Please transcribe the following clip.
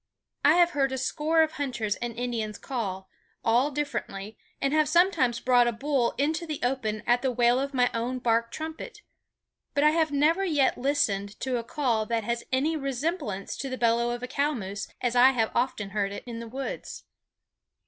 I have heard a score of hunters and Indians call, all differently, and have sometimes brought a bull into the open at the wail of my own bark trumpet; but I have never yet listened to a call that has any resemblance to the bellow of a cow moose as I have often heard it in the woods.